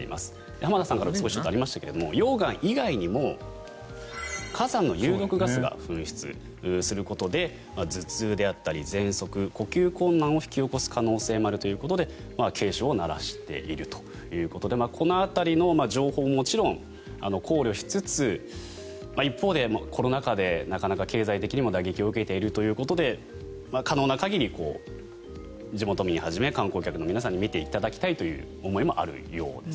浜田さんから少しありましたが溶岩以外にも火山の有毒ガスが噴出することで頭痛であったりぜんそく呼吸困難を引き起こす可能性もあるということで警鐘を鳴らしているということでこの辺りの情報ももちろん考慮しつつ一方でコロナ禍でなかなか経済的にも打撃を受けているということで可能な限り地元民はじめ観光客の皆さんに見ていただきたいという思いもあるようです。